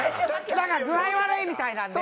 なんか具合悪いみたいなんで。